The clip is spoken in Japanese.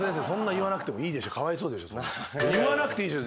言わなくていいでしょ！